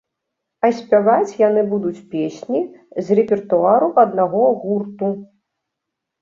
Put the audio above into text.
А спяваць яны будуць песні з рэпертуару аднаго гурту.